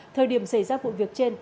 thời điểm xảy ra vụ việc trên